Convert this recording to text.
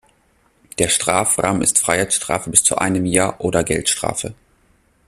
Der Strafrahmen ist Freiheitsstrafe bis zu einem Jahr oder Geldstrafe.